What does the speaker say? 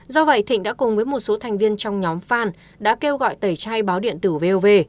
do vậy thịnh đã cùng với một số thành viên trong nhóm fan đã kêu gọi tẩy chay báo điện tử vov